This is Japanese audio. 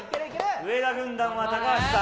上田軍団は高橋さん。